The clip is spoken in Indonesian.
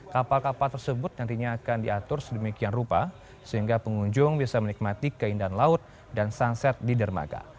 kapal kapal tersebut nantinya akan diatur sedemikian rupa sehingga pengunjung bisa menikmati keindahan laut dan sunset di dermaga